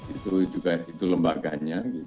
itu juga lembaganya